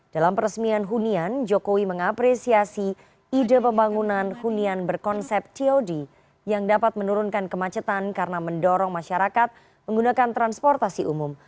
dalam peresmian hunian jokowi mengapresiasi ide pembangunan hunian berkonsep tod yang dapat menurunkan kemacetan karena mendorong masyarakat menggunakan transportasi umum